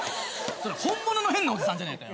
それ本物の変なおじさんじゃねぇか。